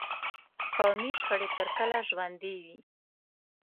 قومي شخړې تر کله ژوندي وي.